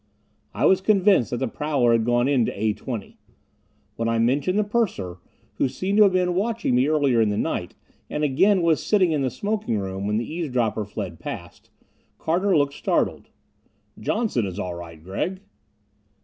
I was convinced that the prowler had gone into A 20. When I mentioned the purser, who seemed to have been watching me earlier in the night, and again was sitting in the smoking room when the eavesdropper fled past, Carter looked startled. "Johnson is all right, Gregg."